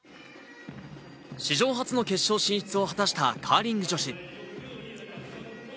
史上初の決勝進出を果たしたカーリング女子。